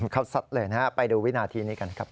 เขาสัตว์เลยนะฮะไปดูวินาทีนี้กันครับ